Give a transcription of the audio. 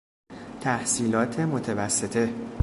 تحصیلات متوسطه